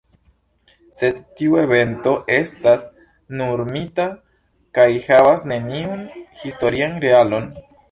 Sed tiu evento estas nur mita, kaj havas neniun historian realon.